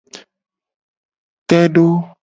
Te do.